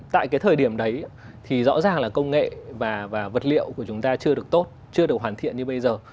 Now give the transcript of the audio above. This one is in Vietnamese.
tại cái thời điểm đấy thì rõ ràng là công nghệ và vật liệu của chúng ta chưa được tốt chưa được hoàn thiện như bây giờ